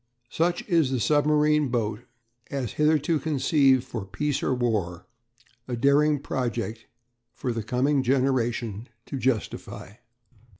Such is the submarine boat as hitherto conceived for peace or war a daring project for the coming generation to justify.